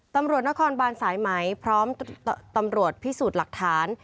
ตำรวจนครบานสายไหมพร้อมตำรวจพิสูจน์หลักฐาน